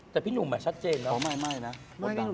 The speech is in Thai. แต่พี่นุ่มอ่ะชัดเจนแล้ว